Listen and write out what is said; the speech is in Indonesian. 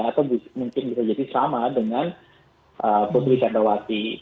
atau mungkin bisa jadi sama dengan putri candrawati